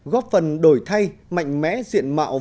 góp phần đổi thay mạnh mẽ diện mạo